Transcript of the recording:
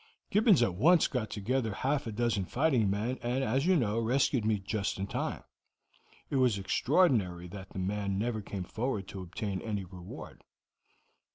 Gibbons at once got together half a dozen fighting men, and, as you know, rescued me just in time. It was extraordinary that the man never came forward to obtain any reward."